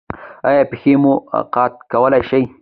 ایا پښې مو قات کولی شئ؟